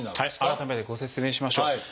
改めてご説明しましょう。